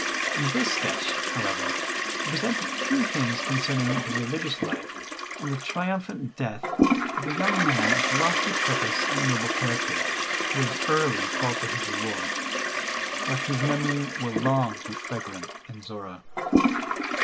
In this sketch, however, I present a few things concerning the religious life and the triumphant death of a young man of lofty purpose and noble character, who was early called to his reward, but whose memory will long be fragrant in Zorra.